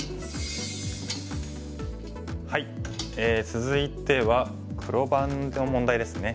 続いては黒番の問題ですね。